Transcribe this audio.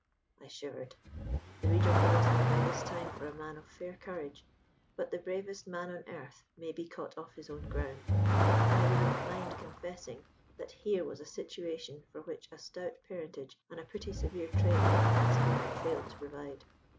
I shivered. The reader knows me by this time for a man of fair courage: but the bravest man on earth may be caught off his own ground, and I do not mind confessing that here was a situation for which a stout parentage and a pretty severe training had somehow failed to provide.